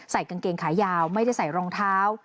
กางเกงขายาวไม่ได้ใส่รองเท้า